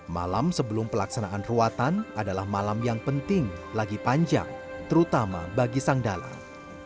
malam sebelum pelaksanaan ruatan adalah malam yang penting lagi panjang terutama bagi sang dalang